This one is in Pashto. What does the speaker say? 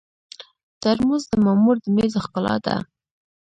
ترموز د مامور د مېز ښکلا ده.